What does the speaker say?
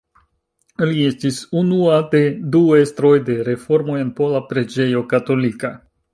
Li estis unua de du estroj de reformoj en pola preĝejo katolika.